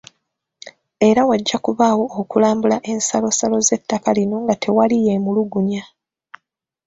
Era wajja kubaawo okulambula ensalosalo z’ettaka lino nga tewali yemulugunya.